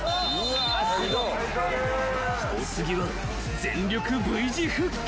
［お次は全力Ｖ字腹筋］